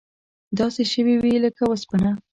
داسې شوي وې لکه وسپنه.